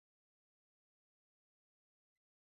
Mambo matamu yamekuwa mengi